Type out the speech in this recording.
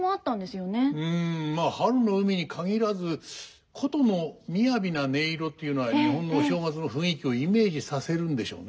まあ「春の海」に限らず箏のみやびな音色というのは日本のお正月の雰囲気をイメージさせるんでしょうね。